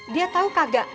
dia tau kagak